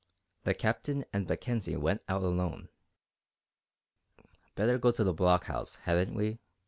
The Captain and Mackenzie went out alone. "Better go to the blockhouse, hadn't we?"